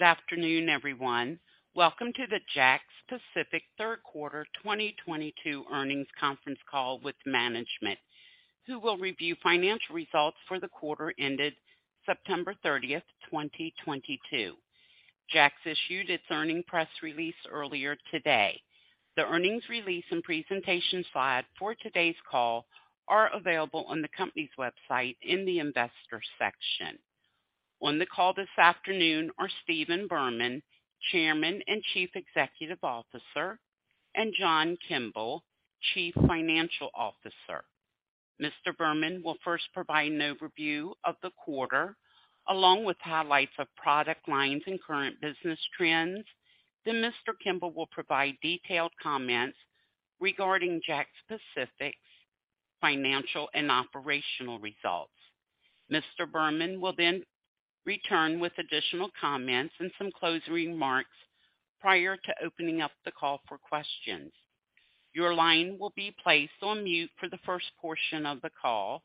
Good afternoon, everyone. Welcome to the JAKKS Pacific Q3 2022 earnings conference call with management, who will review financial results for the quarter ended September 30, 2022. JAKKS issued its earnings press release earlier today. The earnings release and presentation slide for today's call are available on the company's website in the investor section. On the call this afternoon are Stephen Berman, Chairman and Chief Executive Officer, and John Kimble, Chief Financial Officer. Mr. Berman will first provide an overview of the quarter, along with highlights of product lines and current business trends. Then Mr. Kimble will provide detailed comments regarding JAKKS Pacific's financial and operational results. Mr. Berman will then return with additional comments and some closing remarks prior to opening up the call for questions. Your line will be placed on mute for the first portion of the call.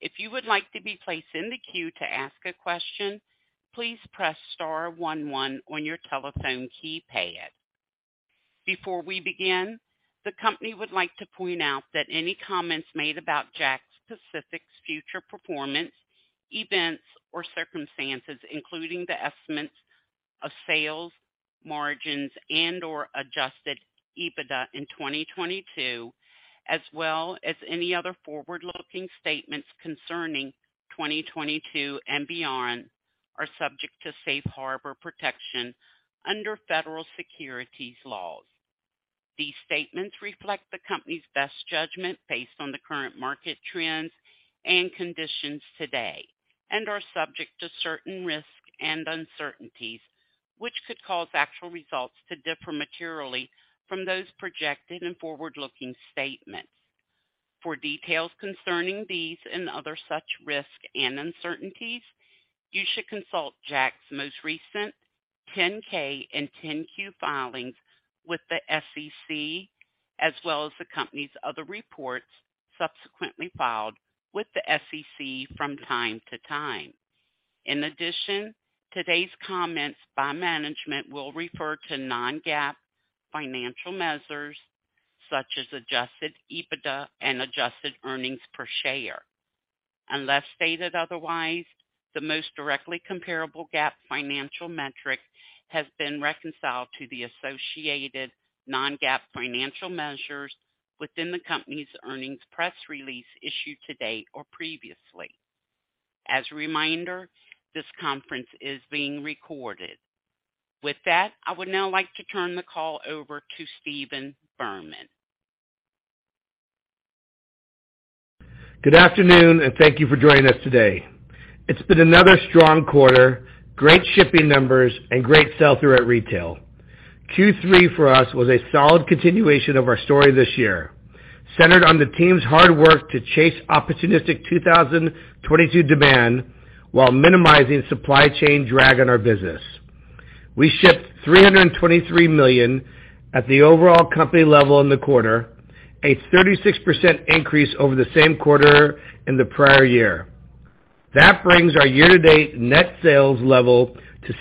If you would like to be placed in the queue to ask a question, please press star one one on your telephone keypad. Before we begin, the company would like to point out that any comments made about JAKKS Pacific's future performance, events or circumstances, including the estimates of sales, margins, and/or Adjusted EBITDA in 2022, as well as any other forward-looking statements concerning 2022 and beyond, are subject to safe harbor protection under federal securities laws. These statements reflect the company's best judgment based on the current market trends and conditions today and are subject to certain risks and uncertainties, which could cause actual results to differ materially from those projected in forward-looking statements. For details concerning these and other such risks and uncertainties, you should consult JAKKS' most recent 10-K and 10-Q filings with the SEC, as well as the company's other reports subsequently filed with the SEC from time to time. In addition, today's comments by management will refer to non-GAAP financial measures such as Adjusted EBITDA and Adjusted Earnings Per Share. Unless stated otherwise, the most directly comparable GAAP financial metric has been reconciled to the associated non-GAAP financial measures within the company's earnings press release issued today or previously. As a reminder, this conference is being recorded. With that, I would now like to turn the call over to Stephen Berman. Good afternoon, and thank you for joining us today. It's been another strong quarter, great shipping numbers, and great sell-through at retail. Q3 for us was a solid continuation of our story this year, centered on the team's hard work to chase opportunistic 2022 demand while minimizing supply chain drag on our business. We shipped $323 million at the overall company level in the quarter, a 36% increase over the same quarter in the prior year. That brings our year-to-date net sales level to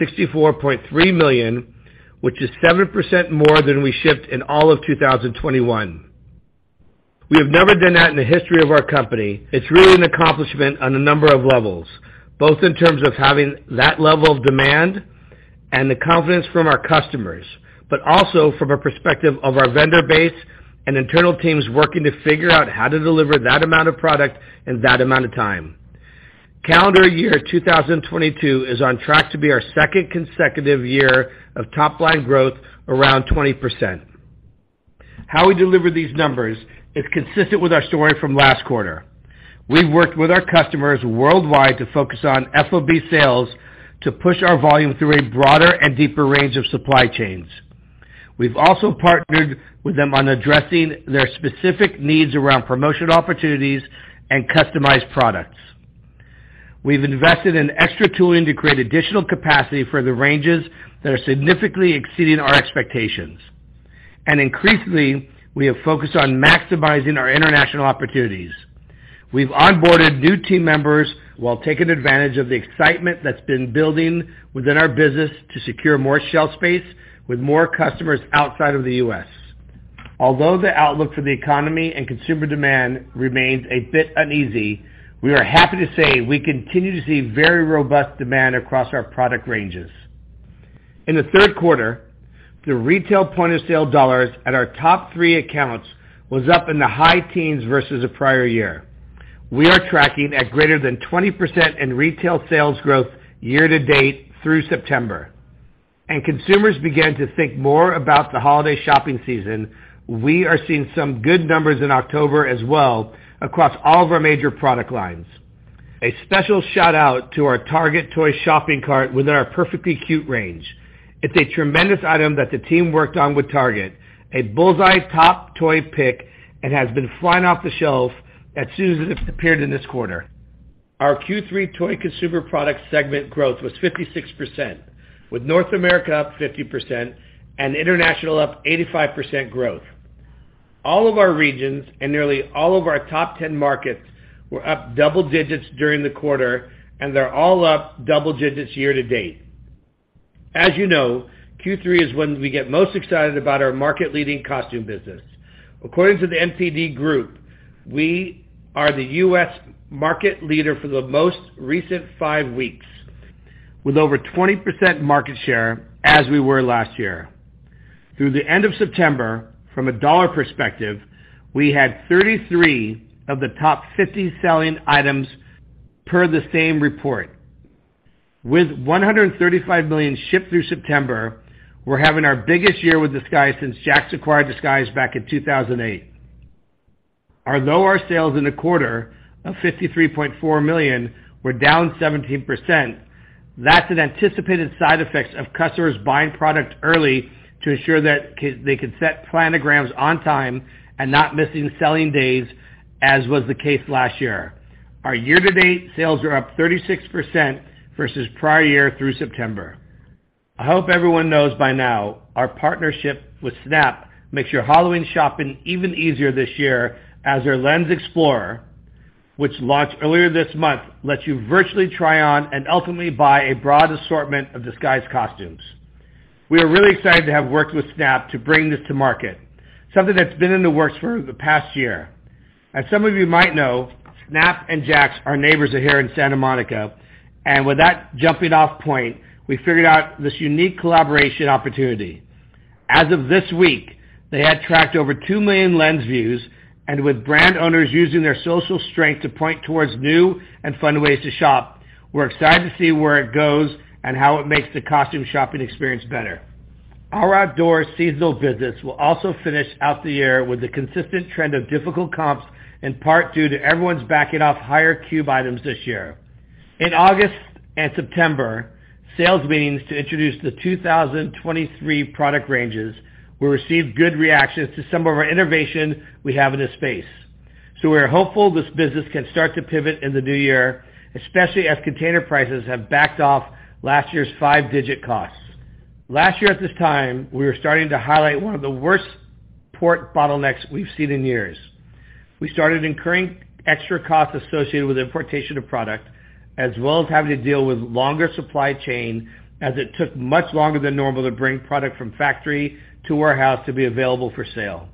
$664.3 million, which is 7% more than we shipped in all of 2021. We have never done that in the history of our company. It's really an accomplishment on a number of levels, both in terms of having that level of demand and the confidence from our customers, but also from a perspective of our vendor base and internal teams working to figure out how to deliver that amount of product in that amount of time. Calendar year 2022 is on track to be our second consecutive year of top line growth around 20%. How we deliver these numbers is consistent with our story from last quarter. We've worked with our customers worldwide to focus on FOB sales to push our volume through a broader and deeper range of supply chains. We've also partnered with them on addressing their specific needs around promotion opportunities and customized products. We've invested in extra tooling to create additional capacity for the ranges that are significantly exceeding our expectations. Increasingly, we have focused on maximizing our international opportunities. We've onboarded new team members while taking advantage of the excitement that's been building within our business to secure more shelf space with more customers outside of the U.S. Although the outlook for the economy and consumer demand remains a bit uneasy, we are happy to say we continue to see very robust demand across our product ranges. In the Q3, the retail point-of-sale dollars at our top three accounts was up in the high teens% versus the prior year. We are tracking at greater than 20% in retail sales growth year-to-date through September. Consumers began to think more about the holiday shopping season. We are seeing some good numbers in October as well across all of our major product lines. A special shout-out to our Target toy shopping cart within our Perfectly Cute range. It's a tremendous item that the team worked on with Target, a Bullseye's Top Toy pick, and has been flying off the shelf as soon as it appeared in this quarter. Our Q3 toy consumer product segment growth was 56%, with North America up 50% and international up 85% growth. All of our regions and nearly all of our top 10 markets were up double digits during the quarter, and they're all up double digits year-to-date. As you know, Q3 is when we get most excited about our market-leading costume business. According to the NPD Group, we are the U.S. market leader for the most recent five weeks, with over 20% market share as we were last year. Through the end of September, from a dollar perspective, we had 33 of the top 50 selling items per the same report. With 135 million shipped through September, we're having our biggest year with Disguise since JAKKS acquired Disguise back in 2008. Although our sales in the quarter of $53.4 million were down 17%, that's an anticipated side effect of customers buying product early to ensure that they can set planograms on time and not missing selling days, as was the case last year. Our year-to-date sales are up 36% versus prior year through September. I hope everyone knows by now our partnership with Snap makes your Halloween shopping even easier this year as our Lens Explorer, which launched earlier this month, lets you virtually try on and ultimately buy a broad assortment of Disguise costumes. We are really excited to have worked with Snap to bring this to market, something that's been in the works for the past year. As some of you might know, Snap and JAKKS are neighbors here in Santa Monica, and with that jumping-off point, we figured out this unique collaboration opportunity. As of this week, they had tracked over two million lens views, and with brand owners using their social strength to point towards new and fun ways to shop, we're excited to see where it goes and how it makes the costume shopping experience better. Our outdoor seasonal business will also finish out the year with a consistent trend of difficult comps, in part due to everyone's backing off higher cube items this year. In August and September sales meetings to introduce the 2023 product ranges, we received good reactions to some of our innovation we have in this space. We are hopeful this business can start to pivot in the new year, especially as container prices have backed off last year's five-digit costs. Last year at this time, we were starting to highlight one of the worst port bottlenecks we've seen in years. We started incurring extra costs associated with importation of product, as well as having to deal with longer supply chain as it took much longer than normal to bring product from factory to warehouse to be available for sale.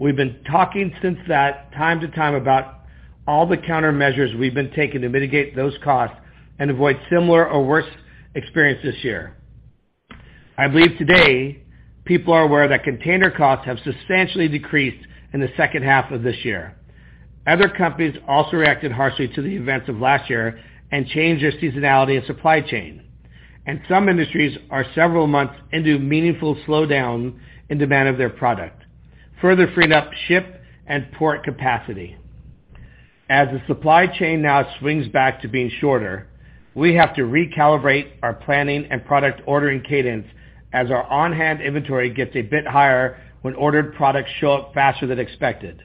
We've been talking from time to time about all the countermeasures we've been taking to mitigate those costs and avoid similar or worse experience this year. I believe today, people are aware that container costs have substantially decreased in the H2 of this year. Other companies also reacted harshly to the events of last year and changed their seasonality and supply chain. Some industries are several months into meaningful slowdown in demand of their product, further freeing up ship and port capacity. As the supply chain now swings back to being shorter, we have to recalibrate our planning and product ordering cadence as our on-hand inventory gets a bit higher when ordered products show up faster than expected.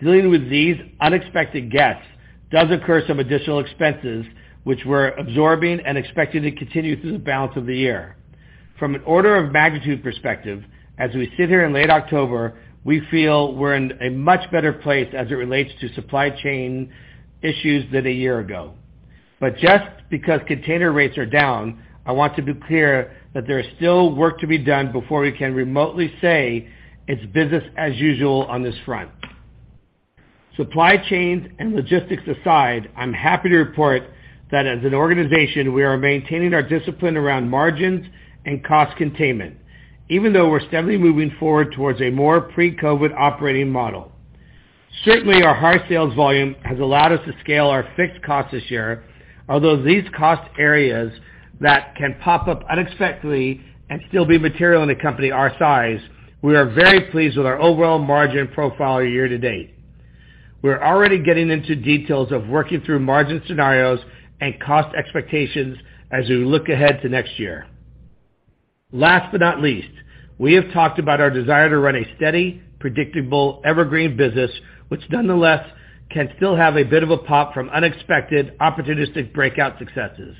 Dealing with these unexpected guests does occur some additional expenses which we're absorbing and expecting to continue through the balance of the year. From an order of magnitude perspective, as we sit here in late October, we feel we're in a much better place as it relates to supply chain issues than a year ago. Just because container rates are down, I want to be clear that there's still work to be done before we can remotely say it's business as usual on this front. Supply chains and logistics aside, I'm happy to report that as an organization, we are maintaining our discipline around margins and cost containment, even though we're steadily moving forward towards a more pre-COVID operating model. Certainly, our hard sales volume has allowed us to scale our fixed costs this year. Although these cost areas that can pop up unexpectedly and still be material in a company our size, we are very pleased with our overall margin profile year to date. We're already getting into details of working through margin scenarios and cost expectations as we look ahead to next year. Last but not least, we have talked about our desire to run a steady, predictable, evergreen business, which nonetheless can still have a bit of a pop from unexpected, opportunistic breakout successes.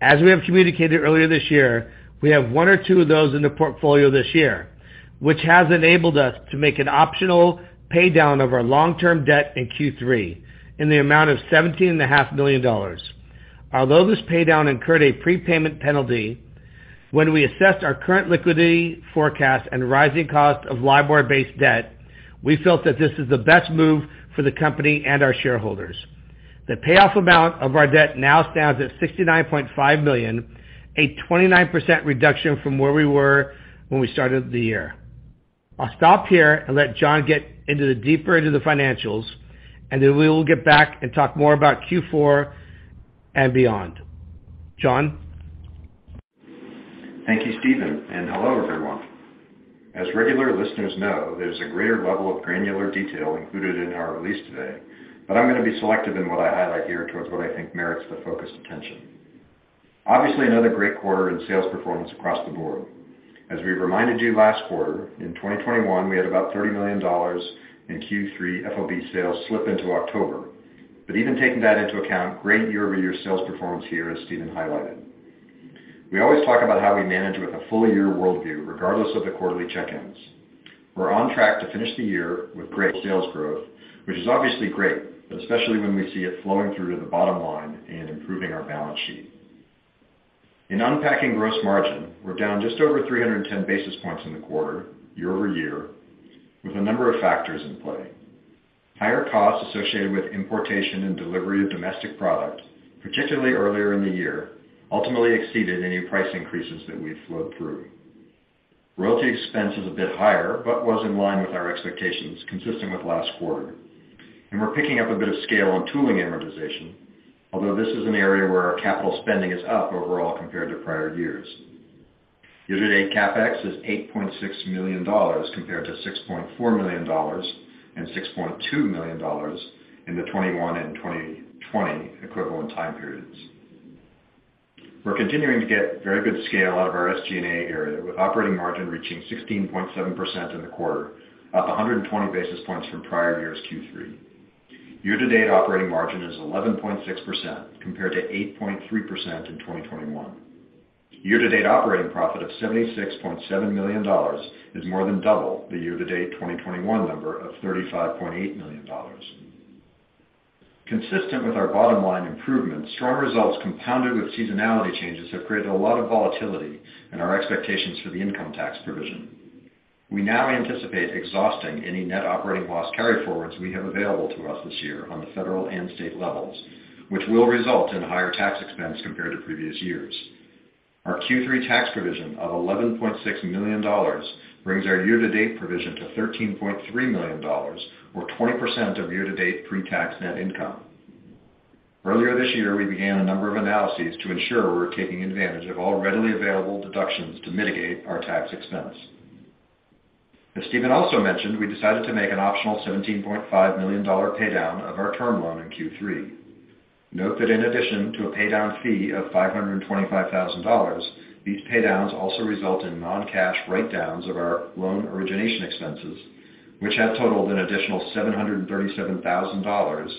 As we have communicated earlier this year, we have one or two of those in the portfolio this year, which has enabled us to make an optional pay down of our long-term debt in Q3 in the amount of $17.5 million. Although this pay down incurred a prepayment penalty, when we assessed our current liquidity forecast and rising cost of LIBOR-based debt, we felt that this is the best move for the company and our shareholders. The payoff amount of our debt now stands at $69.5 million, a 29% reduction from where we were when we started the year. I'll stop here and let John get deeper into the financials, and then we will get back and talk more about Q4 and beyond. John? Thank you, Stephen, and hello, everyone. As regular listeners know, there's a greater level of granular detail included in our release today, but I'm gonna be selective in what I highlight here towards what I think merits the focused attention. Obviously, another great quarter in sales performance across the board. As we reminded you last quarter, in 2021, we had about $30 million in Q3 FOB sales slip into October. Even taking that into account, great quarter-over-quarter sales performance here as Stephen highlighted. We always talk about how we manage with a full year worldview regardless of the quarterly check-ins. We're on track to finish the year with great sales growth, which is obviously great, especially when we see it flowing through to the bottom line and improving our balance sheet. In unpacking gross margin, we're down just over 310 basis points in the quarter quarter-over-quarter, with a number of factors in play. Higher costs associated with importation and delivery of domestic product, particularly earlier in the year, ultimately exceeded any price increases that we flowed through. Royalty expense is a bit higher, but was in line with our expectations consistent with last quarter. We're picking up a bit of scale on tooling amortization, although this is an area where our capital spending is up overall compared to prior years. Year-to-date CapEx is $8.6 million compared to $6.4 million and $6.2 million in the 2021 and 2020 equivalent time periods. We're continuing to get very good scale out of our SG&A area, with operating margin reaching 16.7% in the quarter, up 120 basis points from prior year's Q3. Year-to-date operating margin is 11.6% compared to 8.3% in 2021. Year-to-date operating profit of $76.7 million is more than double the year-to-date 2021 number of $35.8 million. Consistent with our bottom-line improvements, strong results compounded with seasonality changes have created a lot of volatility in our expectations for the income tax provision. We now anticipate exhausting any net operating loss carryforwards we have available to us this year on the federal and state levels, which will result in higher tax expense compared to previous years. Our Q3 tax provision of $11.6 million brings our year-to-date provision to $13.3 million, or 20% of year-to-date pre-tax net income. Earlier this year, we began a number of analyses to ensure we're taking advantage of all readily available deductions to mitigate our tax expense. As Stephen also mentioned, we decided to make an optional $17.5 million pay down of our term loan in Q3. Note that in addition to a pay down fee of $525,000, these pay downs also result in non-cash write-downs of our loan origination expenses, which have totaled an additional $737,000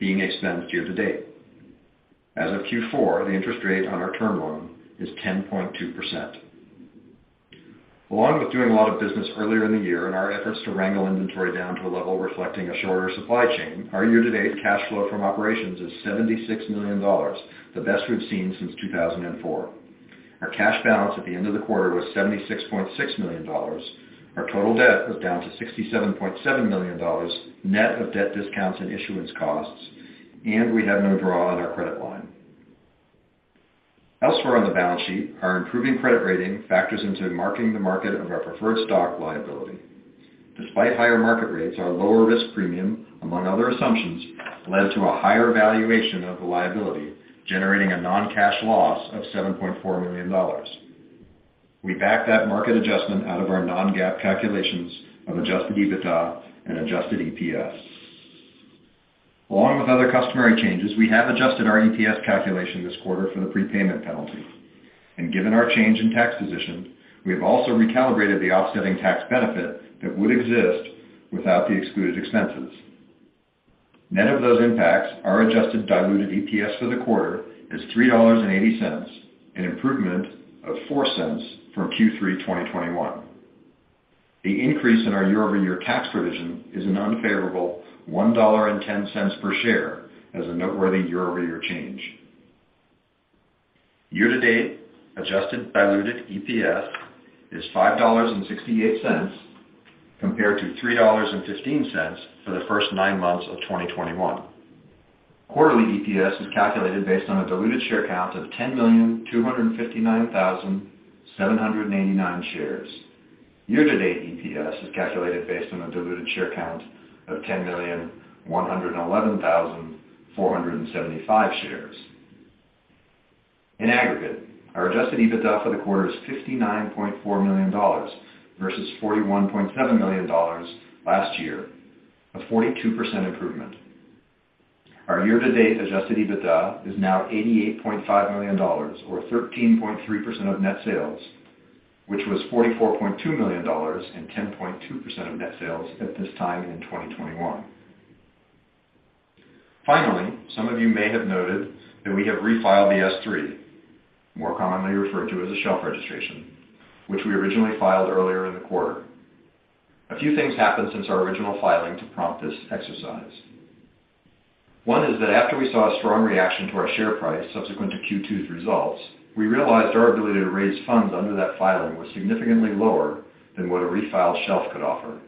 being expensed year to date. As of Q4, the interest rate on our term loan is 10.2%. Along with doing a lot of business earlier in the year and our efforts to wrangle inventory down to a level reflecting a shorter supply chain, our year-to-date cash flow from operations is $76 million, the best we've seen since 2004. Our cash balance at the end of the quarter was $76.6 million. Our total debt was down to $67.7 million, net of debt discounts and issuance costs, and we have no draw on our credit line. Elsewhere on the balance sheet, our improving credit rating factors into marking the market of our preferred stock liability. Despite higher market rates, our lower risk premium, among other assumptions, led to a higher valuation of the liability, generating a non-cash loss of $7.4 million. We backed that market adjustment out of our non-GAAP calculations of Adjusted EBITDA and Adjusted EPS. Along with other customary changes, we have adjusted our EPS calculation this quarter for the prepayment penalty. Given our change in tax position, we have also recalibrated the offsetting tax benefit that would exist without the excluded expenses. Net of those impacts, our adjusted diluted EPS for the quarter is $3.80, an improvement of $0.04 from Q3 2021. The increase in our quarter-over-quarter tax provision is an unfavorable $1.10 per share as a noteworthy quarter-over-quarter change. Year-to-date adjusted diluted EPS is $5.68 compared to $3.15 for the first nine months of 2021. Quarterly EPS is calculated based on a diluted share count of 10,259,789 shares. Year-to-date EPS is calculated based on a diluted share count of 10,111,475 shares. In aggregate, our Adjusted EBITDA for the quarter is $59.4 million versus $41.7 million last year, a 42% improvement. Our year-to-date Adjusted EBITDA is now $88.5 million or 13.3% of net sales, which was $44.2 million and 10.2% of net sales at this time in 2021. Finally, some of you may have noted that we have refiled the S3, more commonly referred to as a shelf registration, which we originally filed earlier in the quarter. A few things happened since our original filing to prompt this exercise. One is that after we saw a strong reaction to our share price subsequent to Q2's results, we realized our ability to raise funds under that filing was significantly lower than what a refiled shelf could offer.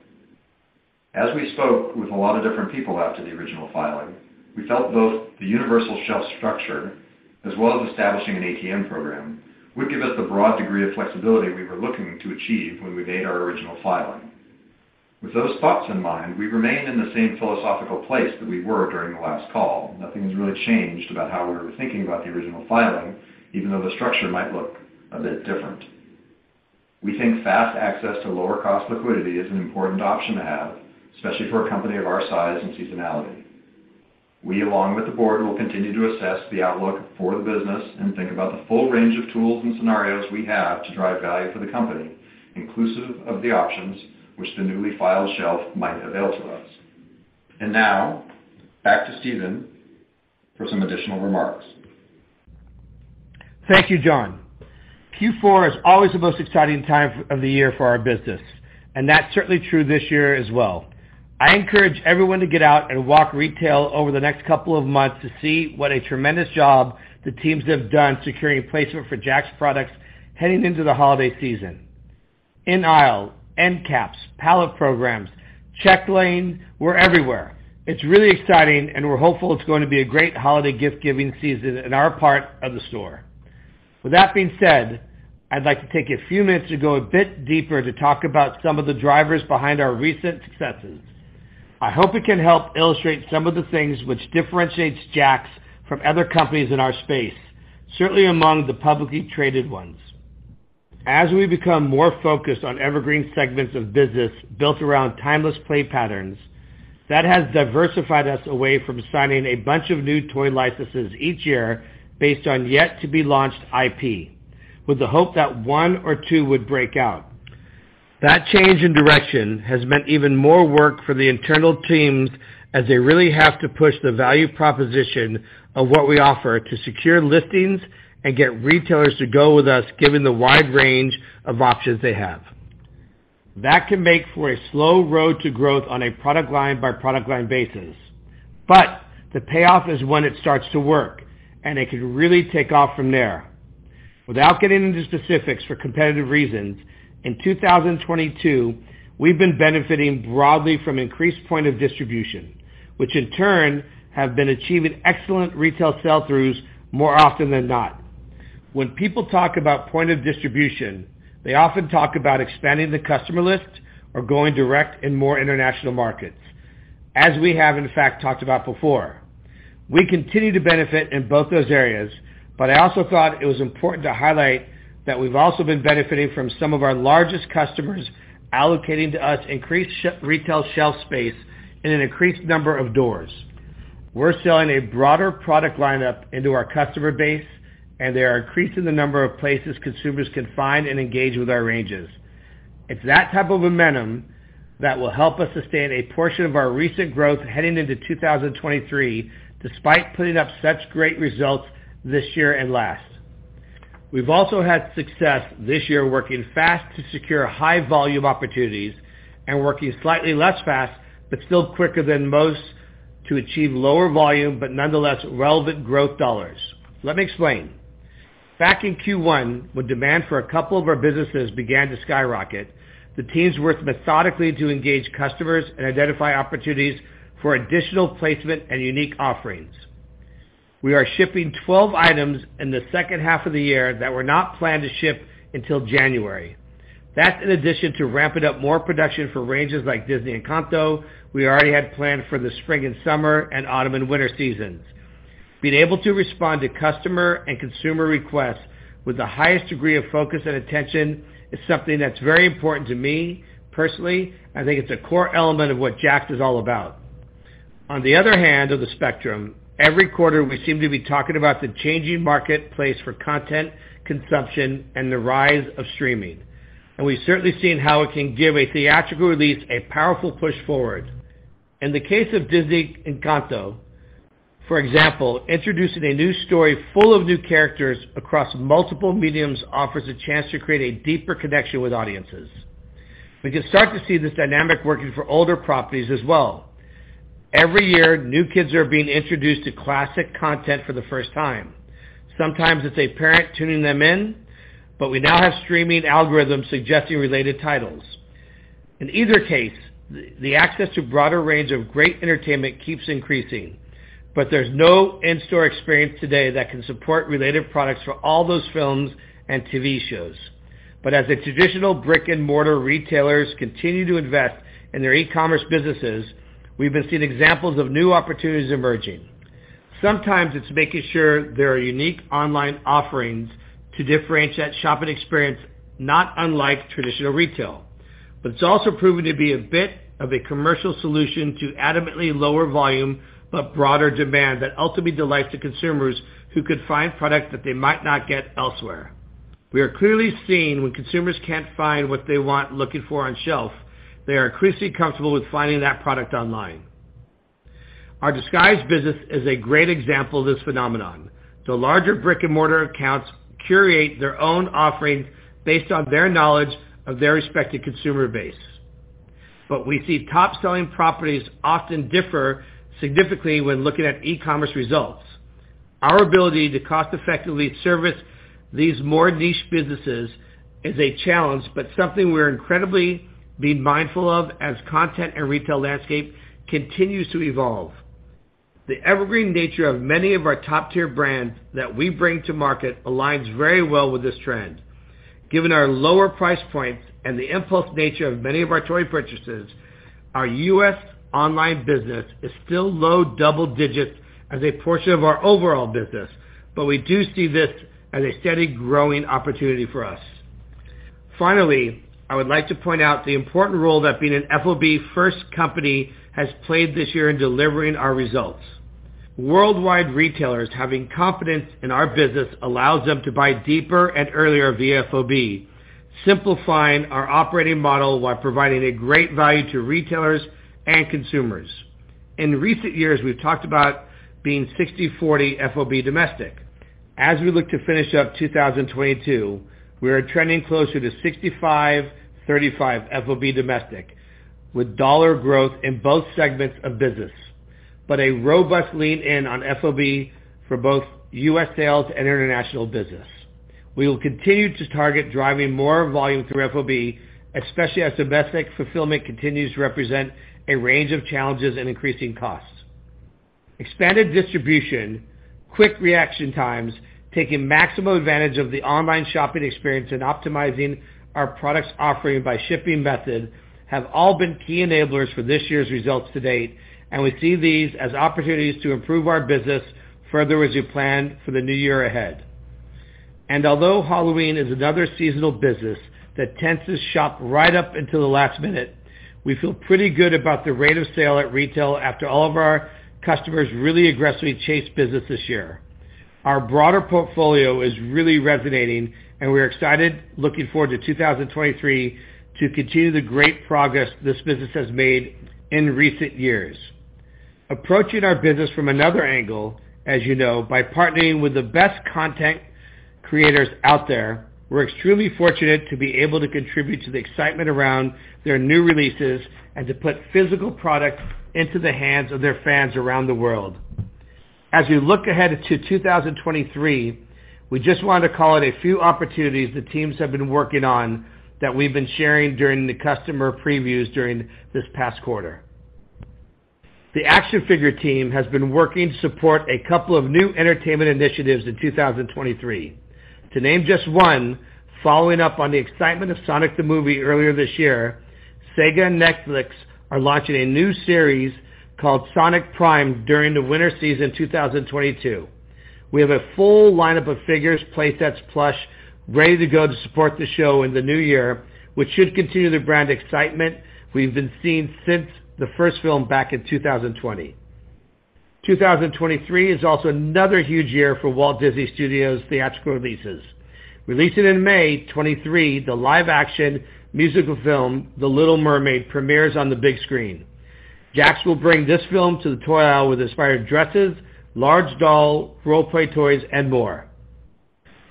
As we spoke with a lot of different people after the original filing, we felt both the universal shelf structure as well as establishing an ATM program would give us the broad degree of flexibility we were looking to achieve when we made our original filing. With those thoughts in mind, we remain in the same philosophical place that we were during the last call. Nothing has really changed about how we were thinking about the original filing, even though the structure might look a bit different. We think fast access to lower cost liquidity is an important option to have, especially for a company of our size and seasonality. We, along with the board, will continue to assess the outlook for the business and think about the full range of tools and scenarios we have to drive value for the company, inclusive of the options which the newly filed shelf might avail to us. Now back to Stephen for some additional remarks. Thank you, John. Q4 is always the most exciting time of the year for our business, and that's certainly true this year as well. I encourage everyone to get out and walk retail over the next couple of months to see what a tremendous job the teams have done securing placement for JAKKS products heading into the holiday season. In aisle, end caps, pallet programs, check lane, we're everywhere. It's really exciting, and we're hopeful it's going to be a great holiday gift-giving season in our part of the store. With that being said, I'd like to take a few minutes to go a bit deeper to talk about some of the drivers behind our recent successes. I hope it can help illustrate some of the things which differentiates JAKKS from other companies in our space, certainly among the publicly traded ones. As we become more focused on evergreen segments of business built around timeless play patterns, that has diversified us away from signing a bunch of new toy licenses each year based on yet to be launched IP, with the hope that one or two would break out. That change in direction has meant even more work for the internal teams as they really have to push the value proposition of what we offer to secure listings and get retailers to go with us, given the wide range of options they have. That can make for a slow road to growth on a product line by product line basis. The payoff is when it starts to work, and it can really take off from there. Without getting into specifics for competitive reasons, in 2022, we've been benefiting broadly from increased point of distribution, which in turn have been achieving excellent retail sell-throughs more often than not. When people talk about point of distribution, they often talk about expanding the customer list or going direct in more international markets, as we have in fact talked about before. We continue to benefit in both those areas, but I also thought it was important to highlight that we've also been benefiting from some of our largest customers allocating to us increased retail shelf space in an increased number of doors. We're selling a broader product lineup into our customer base, and they are increasing the number of places consumers can find and engage with our ranges. It's that type of momentum that will help us sustain a portion of our recent growth heading into 2023, despite putting up such great results this year and last. We've also had success this year working fast to secure high volume opportunities and working slightly less fast, but still quicker than most to achieve lower volume, but nonetheless relevant growth dollars. Let me explain. Back in Q1, when demand for a couple of our businesses began to skyrocket, the teams worked methodically to engage customers and identify opportunities for additional placement and unique offerings. We are shipping 12 items in the H2 of the year that were not planned to ship until January. That's in addition to ramping up more production for ranges like Disney Encanto we already had planned for the spring and summer and autumn and winter seasons. Being able to respond to customer and consumer requests with the highest degree of focus and attention is something that's very important to me personally. I think it's a core element of what JAKKS is all about. On the other end of the spectrum, every quarter we seem to be talking about the changing marketplace for content consumption and the rise of streaming, and we've certainly seen how it can give a theatrical release a powerful push forward. In the case of Disney Encanto, for example, introducing a new story full of new characters across multiple mediums offers a chance to create a deeper connection with audiences. We can start to see this dynamic working for older properties as well. Every year, new kids are being introduced to classic content for the first time. Sometimes it's a parent tuning them in, but we now have streaming algorithms suggesting related titles. In either case, the access to broader range of great entertainment keeps increasing. There's no in-store experience today that can support related products for all those films and TV shows. As the traditional brick-and-mortar retailers continue to invest in their e-commerce businesses, we've been seeing examples of new opportunities emerging. Sometimes it's making sure there are unique online offerings to differentiate shopping experience, not unlike traditional retail. It's also proven to be a bit of a commercial solution to a dramatically lower volume, but broader demand that ultimately delights the consumers who could find product that they might not get elsewhere. We are clearly seeing when consumers can't find what they want looking for on shelf, they are increasingly comfortable with finding that product online. Our Disguise business is a great example of this phenomenon. The larger brick-and-mortar accounts curate their own offerings based on their knowledge of their respective consumer base. We see top-selling properties often differ significantly when looking at e-commerce results. Our ability to cost-effectively service these more niche businesses is a challenge, but something we're incredibly being mindful of as content and retail landscape continues to evolve. The evergreen nature of many of our top-tier brands that we bring to market aligns very well with this trend. Given our lower price points and the impulse nature of many of our toy purchases, our U.S. online business is still low double digits as a portion of our overall business, but we do see this as a steady growing opportunity for us. Finally, I would like to point out the important role that being an FOB first company has played this year in delivering our results. Worldwide retailers having confidence in our business allows them to buy deeper and earlier via FOB, simplifying our operating model while providing a great value to retailers and consumers. In recent years, we've talked about being 60/40 FOB domestic. As we look to finish up 2022, we are trending closer to 65/35 FOB domestic, with dollar growth in both segments of business, but a robust lean in on FOB for both U.S. sales and international business. We will continue to target driving more volume through FOB, especially as domestic fulfillment continues to represent a range of challenges and increasing costs. Expanded distribution, quick reaction times, taking maximum advantage of the online shopping experience, and optimizing our products offering by shipping method have all been key enablers for this year's results to date, and we see these as opportunities to improve our business further as we plan for the new year ahead. Although Halloween is another seasonal business that tends to shop right up until the last minute, we feel pretty good about the rate of sale at retail after all of our customers really aggressively chased business this year. Our broader portfolio is really resonating and we're excited looking forward to 2023 to continue the great progress this business has made in recent years. Approaching our business from another angle, as you know, by partnering with the best content creators out there, we're extremely fortunate to be able to contribute to the excitement around their new releases and to put physical products into the hands of their fans around the world. As we look ahead to 2023, we just wanted to call out a few opportunities the teams have been working on that we've been sharing during the customer previews during this past quarter. The action figure team has been working to support a couple of new entertainment initiatives in 2023. To name just one, following up on the excitement of Sonic the Hedgehog movie earlier this year, Sega and Netflix are launching a new series called Sonic Prime during the winter season 2022. We have a full lineup of figures, play sets, plush, ready to go to support the show in the new year, which should continue the brand excitement we've been seeing since the first film back in 2020. 2023 is also another huge year for Walt Disney Studios theatrical releases. Releasing in May 2023, the live-action musical film, The Little Mermaid, premieres on the big screen. JAKKS will bring this film to the toy aisle with inspired dresses, large doll, role-play toys, and more.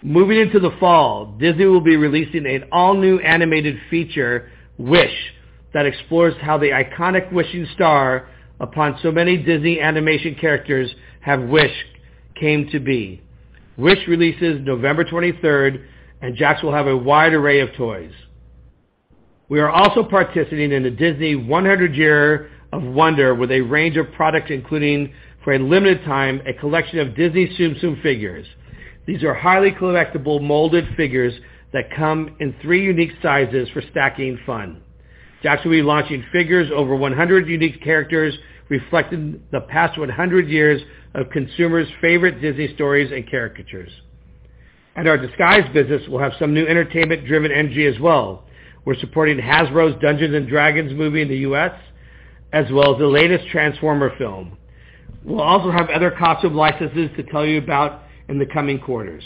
Moving into the fall, Disney will be releasing an all-new animated feature, Wish, that explores how the iconic wishing star upon so many Disney animation characters have wished came to be. Wish releases November 23, and JAKKS will have a wide array of toys. We are also participating in the Disney 100 Years of Wonder with a range of products, including, for a limited time, a collection of Disney Tsum Tsum figures. These are highly collectible molded figures that come in three unique sizes for stacking fun. JAKKS will be launching figures over 100 unique characters, reflecting the past 100 years of consumers' favorite Disney stories and caricatures. Our Disguise business will have some new entertainment-driven energy as well. We're supporting Hasbro's Dungeons & Dragons movie in the U.S., as well as the latest Transformers film. We'll also have other crop of licenses to tell you about in the coming quarters.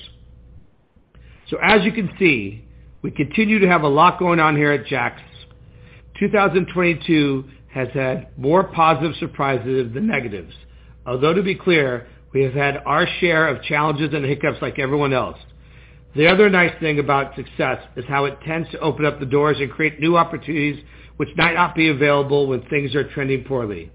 As you can see, we continue to have a lot going on here at JAKKS. 2022 has had more positive surprises than negatives. Although to be clear, we have had our share of challenges and hiccups like everyone else. The other nice thing about success is how it tends to open up the doors and create new opportunities which might not be available when things are trending poorly.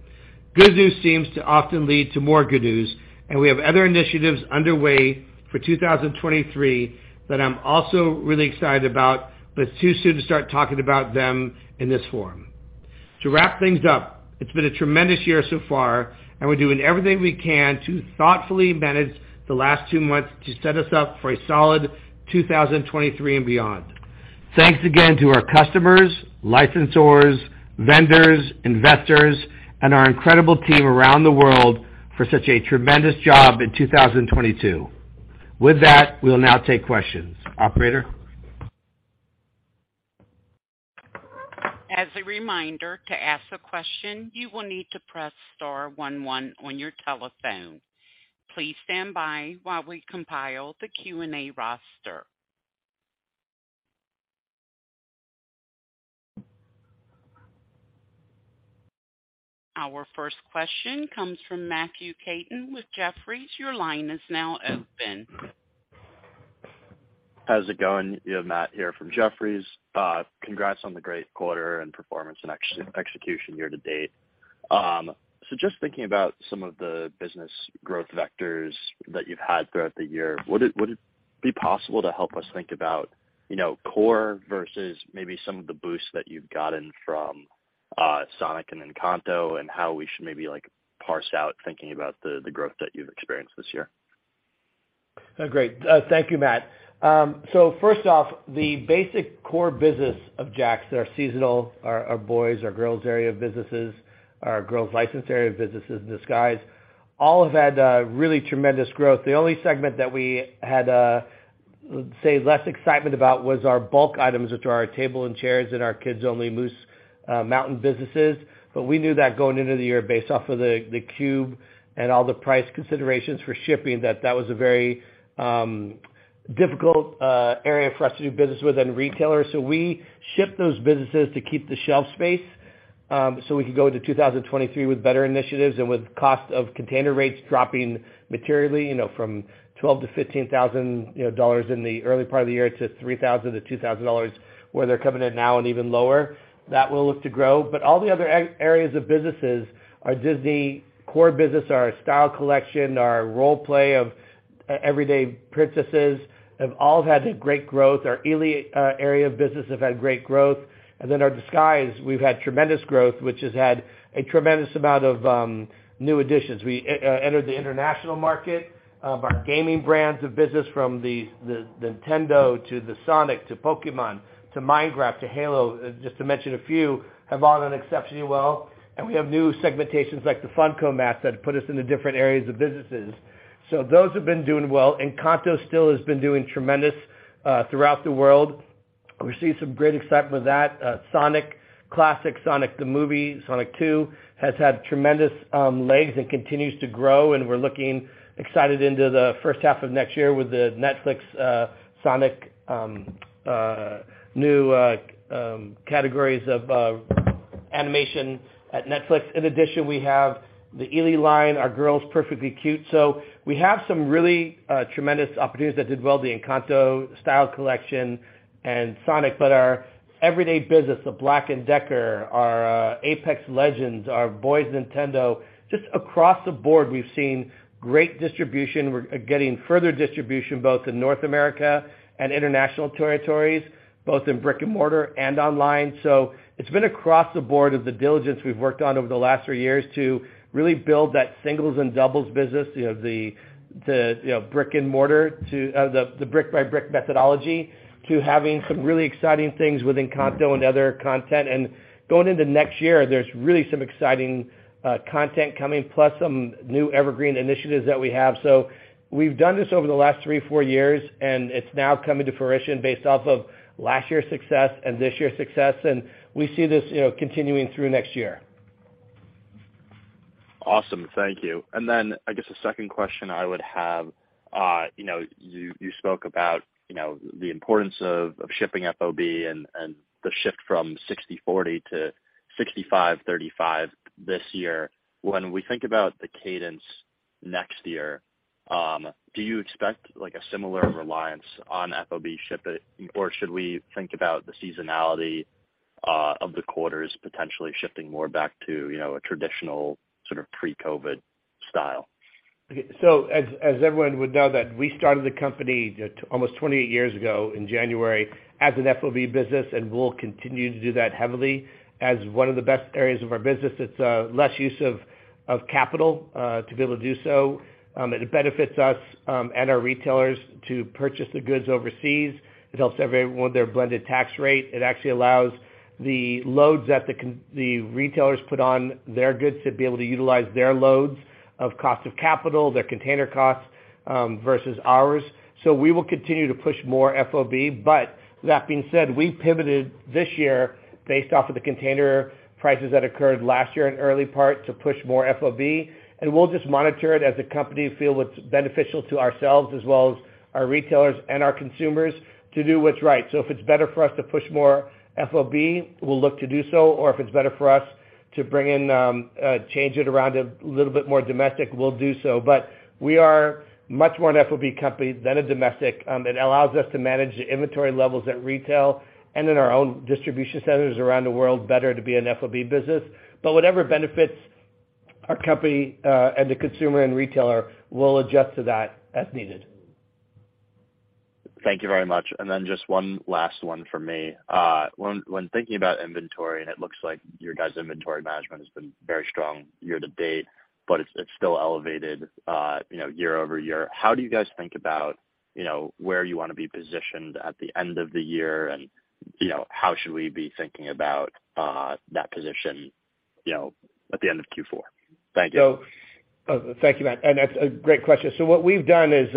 Good news seems to often lead to more good news, and we have other initiatives underway for 2023 that I'm also really excited about, but it's too soon to start talking about them in this forum. To wrap things up, it's been a tremendous year so far, and we're doing everything we can to thoughtfully manage the last two months to set us up for a solid 2023 and beyond. Thanks again to our customers, licensors, vendors, investors, and our incredible team around the world for such a tremendous job in 2022. With that, we'll now take questions. Operator? As a reminder, to ask a question, you will need to press star one one on your telephone. Please stand by while we compile the Q&A roster. Our first question comes from Matthew Katri with Jefferies. Your line is now open. How's it going? You have Matthew Katri here from Jefferies. Congrats on the great quarter and performance and execution year to date. Just thinking about some of the business growth vectors that you've had throughout the year, would it be possible to help us think about, you know, core versus maybe some of the boosts that you've gotten from Sonic and Encanto and how we should maybe like parse out thinking about the growth that you've experienced this year? Great. Thank you, Matt. First off, the basic core business of JAKKS, our seasonal, our boys, our girls area businesses, our girls licensed area of businesses in Disguise, all have had really tremendous growth. The only segment that we had less excitement about was our bulk items, which are our table and chairs and our Kids Only! Moose Mountain businesses. We knew that going into the year based off of the cube and all the price considerations for shipping that that was a very difficult area for us to do business with retailers. We shipped those businesses to keep the shelf space, so we could go into 2023 with better initiatives and with cost of container rates dropping materially, you know, from $12,000-15,000 in the early part of the year to $3,000-2,000, where they're coming in now and even lower, that will look to grow. But all the other areas of businesses, our Disney core business, our Style Collection, our role-play of everyday princesses have all had great growth. Our ELLI area of business have had great growth. Our Disguise, we've had tremendous growth, which has had a tremendous amount of new additions. We enter the international market of our gaming brands of business from the Nintendo to the Sonic to Pokémon to Minecraft to Halo, just to mention a few, have all done exceptionally well. We have new segmentations like the Funko mats that put us into different areas of businesses. Those have been doing well. Encanto still has been doing tremendous throughout the world. We've seen some great excitement with that. Sonic, classic Sonic, the movie Sonic Two, has had tremendous legs and continues to grow, and we're looking excited into the H1 of next year with the Netflix Sonic new categories of animation at Netflix. In addition, we have the ELLI line, our girls Perfectly Cute. We have some really tremendous opportunities that did well, the Encanto Style Collection and Sonic. Our everyday business of Black & Decker, our Apex Legends, our Boys Nintendo, just across the board, we've seen great distribution. We're getting further distribution both in North America and international territories, both in brick-and-mortar and online. It's been across the board of the diligence we've worked on over the last three years to really build that singles and doubles business, you know, the brick-and-mortar to the brick-by-brick methodology to having some really exciting things with Encanto and other content. Going into next year, there's really some exciting content coming, plus some new evergreen initiatives that we have. We've done this over the last three, four years, and it's now coming to fruition based off of last year's success and this year's success, and we see this, you know, continuing through next year. Awesome. Thank you. Then I guess the second question I would have, you know, you spoke about, you know, the importance of shipping FOB and the shift from 60/40 to 65/35 this year. When we think about the cadence next year, do you expect, like, a similar reliance on FOB shipping, or should we think about the seasonality of the quarters potentially shifting more back to, you know, a traditional sort of pre-COVID style? Everyone would know that we started the company almost 28 years ago in January as an FOB business, and we'll continue to do that heavily as one of the best areas of our business. It's less use of capital to be able to do so. It benefits us and our retailers to purchase the goods overseas. It helps everyone with their blended tax rate. It actually allows the loads that the retailers put on their goods to be able to utilize their loads of cost of capital, their container costs versus ours. We will continue to push more FOB. That being said, we pivoted this year based off of the container prices that occurred last year in early part to push more FOB, and we'll just monitor it as a company, we feel it's beneficial to ourselves as well as our retailers and our consumers to do what's right. If it's better for us to push more FOB, we'll look to do so. If it's better for us to bring in, change it around a little bit more domestic, we'll do so. We are much more an FOB company than a domestic. It allows us to manage the inventory levels at retail and in our own distribution centers around the world better to be an FOB business. Whatever benefits our company, and the consumer and retailer, we'll adjust to that as needed. Thank you very much. Just one last one for me. When thinking about inventory, and it looks like your guys' inventory management has been very strong year to date, but it's still elevated, you know, year over year. How do you guys think about, you know, where you wanna be positioned at the end of the year and, you know, how should we be thinking about that position, you know, at the end of Q4? Thank you. Thank you, Matt, and that's a great question. What we've done is,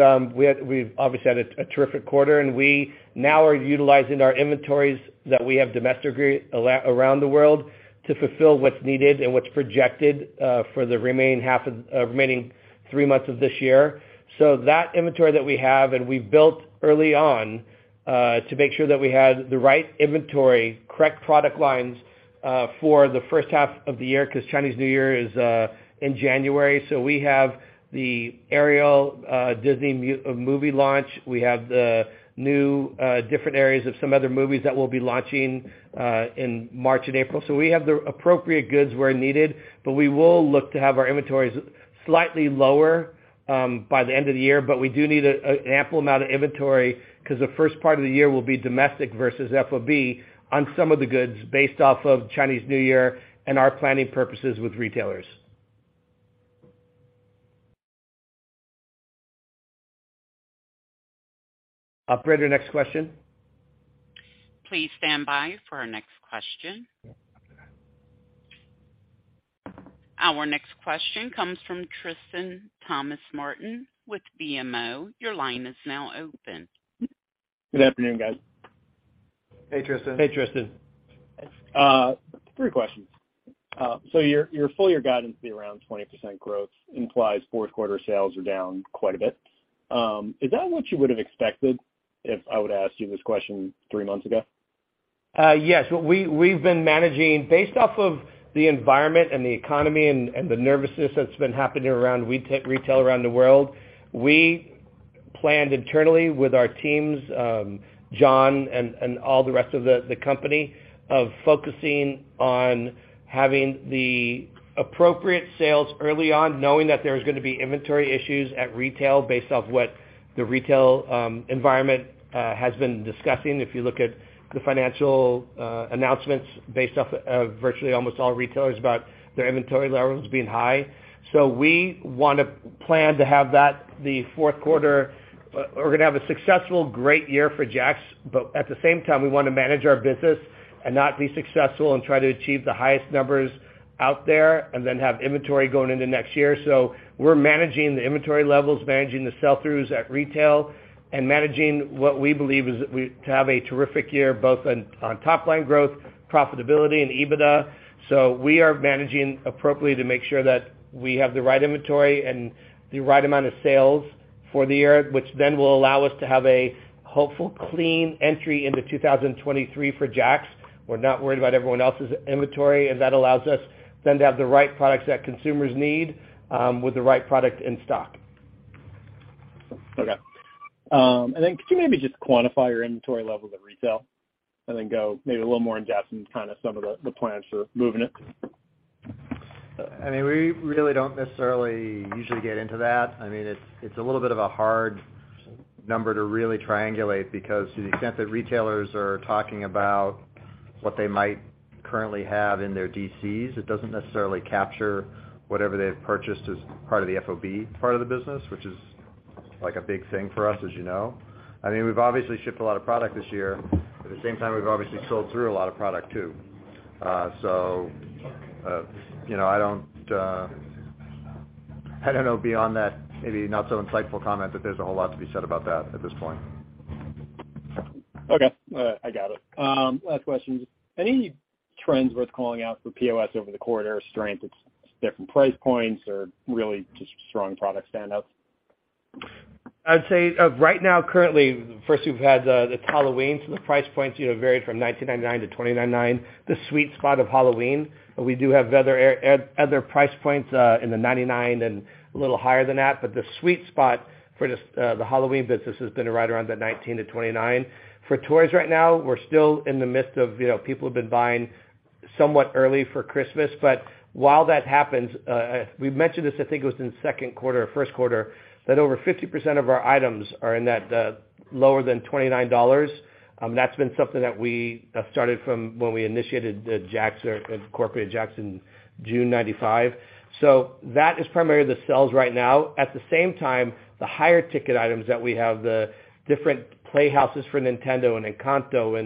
we've obviously had a terrific quarter, and we now are utilizing our inventories that we have domestically around the world to fulfill what's needed and what's projected for the remaining three months of this year. That inventory that we have and we built early on to make sure that we had the right inventory, correct product lines for the H1 of the year, 'cause Chinese New Year is in January. We have the Ariel Disney movie launch. We have the new different areas of some other movies that we'll be launching in March and April. We have the appropriate goods where needed, but we will look to have our inventories slightly lower by the end of the year. We do need an ample amount of inventory 'cause the first part of the year will be domestic versus FOB on some of the goods based off of Chinese New Year and our planning purposes with retailers. Operator, next question. Please stand by for our next question. Our next question comes from Tristan Thomas-Martin with BMO. Your line is now open. Good afternoon, guys. Hey, Tristan. Hey, Tristan. Three questions. Your full year guidance to be around 20% growth implies Q4 sales are down quite a bit. Is that what you would have expected if I would ask you this question three months ago? Yes. We've been managing based off of the environment and the economy and the nervousness that's been happening around retail around the world. We planned internally with our teams, John and all the rest of the company, of focusing on having the appropriate sales early on, knowing that there is gonna be inventory issues at retail based off what the retail environment has been discussing. If you look at the financial announcements based off of virtually almost all retailers about their inventory levels being high. We want to plan to have that the Q4. We're gonna have a successful great year for JAKKS, but at the same time, we wanna manage our business and not be successful and try to achieve the highest numbers out there and then have inventory going into next year. We're managing the inventory levels, managing the sell-throughs at retail, and managing what we believe is the way to have a terrific year both on top line growth, profitability, and EBITDA. We are managing appropriately to make sure that we have the right inventory and the right amount of sales for the year, which then will allow us to have a hopefully clean entry into 2023 for JAKKS. We're not worried about everyone else's inventory, and that allows us then to have the right products that consumers need, with the right product in stock. Could you maybe just quantify your inventory levels at retail and then go maybe a little more in-depth in kind of some of the plans for moving it? I mean, we really don't necessarily usually get into that. I mean, it's a little bit of a hard number to really triangulate because to the extent that retailers are talking about what they might currently have in their DCs, it doesn't necessarily capture whatever they've purchased as part of the FOB part of the business, which is like a big thing for us, as you know. I mean, we've obviously shipped a lot of product this year. At the same time, we've obviously sold through a lot of product too. So, you know, I don't know beyond that, maybe not so insightful comment, but there's a whole lot to be said about that at this point. Okay. I got it. Last question. Any trends worth calling out for POS over the quarter, strength at different price points or really just strong product standouts? I'd say, right now, currently, first, we've had, it's Halloween, so the price points, you know, vary from $19.99 to 29.99, the sweet spot of Halloween. We do have other price points in the $99 and a little higher than that. The sweet spot for this, the Halloween business has been right around that $19-29. For toys right now, we're still in the midst of, you know, people have been buying somewhat early for Christmas. While that happens, we've mentioned this, I think it was in Q2 or Q1, that over 50% of our items are in that lower than $29. That's been something that we have started from when we initiated the JAKKS or incorporated JAKKS in June 1995. That is primarily the sales right now. At the same time, the higher ticket items that we have, the different playhouses for Nintendo and Encanto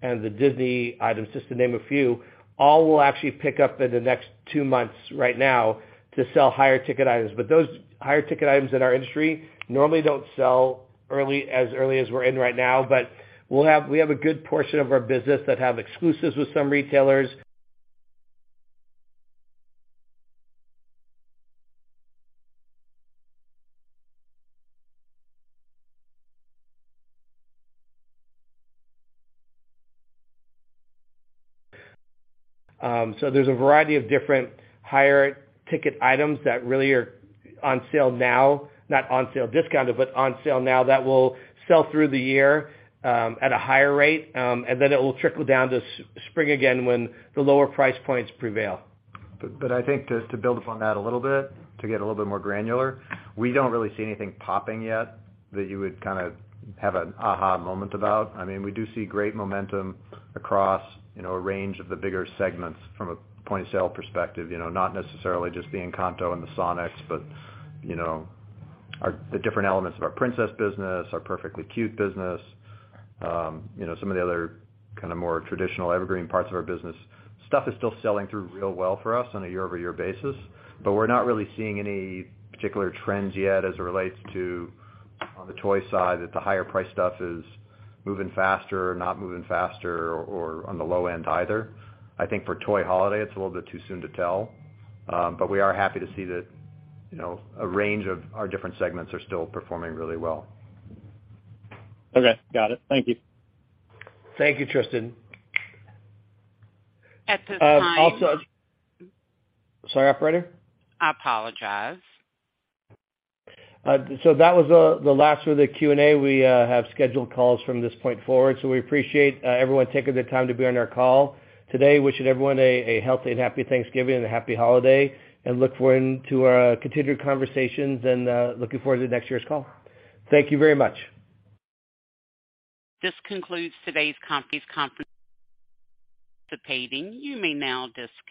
and the Disney items, just to name a few, all will actually pick up in the next two months right now to sell higher ticket items. Those higher ticket items in our industry normally don't sell early, as early as we're in right now. We have a good portion of our business that have exclusives with some retailers. So there's a variety of different higher ticket items that really are on sale now, not on sale discounted, but on sale now that will sell through the year at a higher rate, and then it will trickle down to spring again when the lower price points prevail. I think to build upon that a little bit, to get a little bit more granular, we don't really see anything popping yet that you would kinda have an aha moment about. I mean, we do see great momentum across, you know, a range of the bigger segments from a point-of-sale perspective, you know, not necessarily just the Encanto and the Sonic's, but, you know, the different elements of our Princess business, our Perfectly Cute business, you know, some of the other kinda more traditional evergreen parts of our business. Stuff is still selling through real well for us on a quarter-over-quarter basis, but we're not really seeing any particular trends yet as it relates to, on the toy side, that the higher priced stuff is moving faster, not moving faster or on the low end either. I think for toy holiday, it's a little bit too soon to tell. We are happy to see that, you know, a range of our different segments are still performing really well. Okay. Got it. Thank you. Thank you, Tristan. At this time. Sorry, operator? I apologize. That was the last of the Q&A. We have scheduled calls from this point forward. We appreciate everyone taking the time to be on our call today. Wishing everyone a healthy and happy Thanksgiving and a happy holiday, and look forward to our continued conversations and looking forward to next year's call. Thank you very much. This concludes today's conference. Thank you for participating. You may now disconnect.